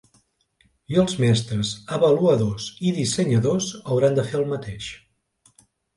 I els mestres, avaluadors i dissenyadors hauran de fer el mateix.